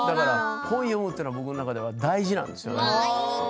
本を読むというのは僕の中では大事なんですよね。